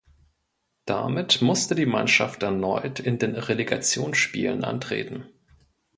Damit musste die Mannschaft erneut in den Relegationsspielen antreten.